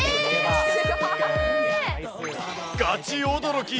ガチ驚き。